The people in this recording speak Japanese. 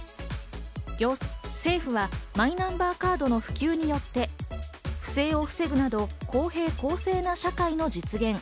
政府はマイナンバーカードの普及によって、不正を防ぐなど、公平・公正な社会の実現。